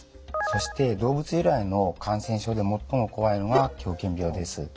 そして動物由来の感染症で最も怖いのが狂犬病です。